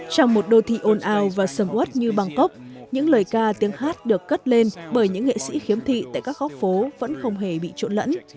trong một đô thị ồn ào và sầm ớt như bangkok những lời ca tiếng hát được cất lên bởi những nghệ sĩ khiếm thị tại các góc phố vẫn không hề bị trộn lẫn